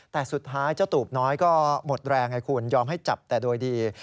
แต่สุดท้ายเจ้าตูบน้อยก็หมดแรงไงคุณยอมให้จับแต่โดยดี